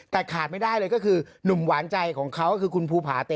แต่ขาดไม่ได้เลยก็คือหนุ่มหวานใจของเขาก็คือคุณภูผาเต